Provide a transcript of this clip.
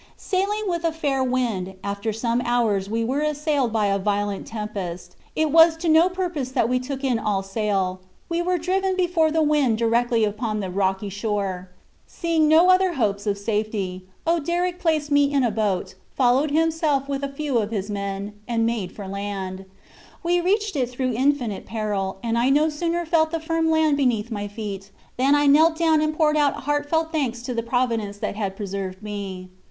"Sailing with a fair wind, after some hours we were assailed by a violent tempest. It was to no purpose that we took in all sail; we were driven before the wind directly upon the rocky shore. Seeing no other hopes of safety, Oderic placed me in a boat, followed himself with a few of his men, and made for land. We reached it through infinite peril, and I no sooner felt the firm land beneath my feet, than I knelt down and poured out heartfelt thanks to the Providence that had preserved me.